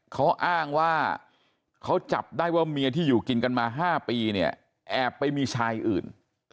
เขาอ้างว่าเขาจับได้ว่าเมียที่อยู่กินกันมา๕ปีเนี่ยแอบไปมีชายอื่น